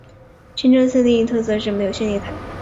清真寺另一特色是没有宣礼塔。